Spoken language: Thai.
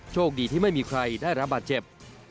โชคดีที่ไม่มีใครได้รับบาดเจ็บ